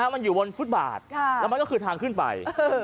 มันอยู่บนฟุตบาทแล้วมันก็คือทางขึ้นไป